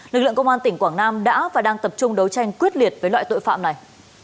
lực lượng công an tỉnh quảng nam đã và đang tập trung đấu tranh quyết liệt với loại tội phạm này